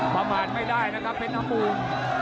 ประมาณไม่ได้นะครับเพชรน้ำมูล